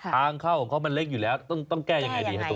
ทางเข้าของเขามันเล็กอยู่แล้วต้องแก้ยังไงดีครับ